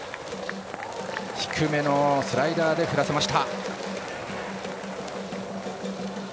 低めのスライダーで振らせました。